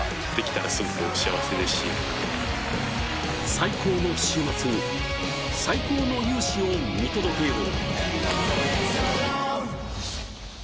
最高の週末に最高の雄姿を見届けよう。